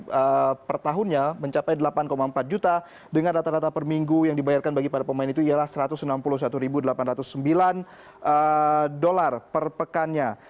jadi pertahunnya mencapai delapan empat juta dengan rata rata perminggu yang dibayarkan bagi para pemain itu ialah satu ratus enam puluh satu delapan ratus sembilan dolar perpekannya